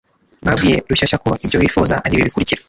babwiye Rushyashya ko ibyo bifuza ari ibi bikurikira